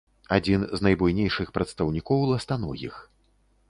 Адзін з найбуйнейшых прадстаўнікоў ластаногіх.